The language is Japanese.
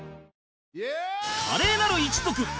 華麗なる一族石原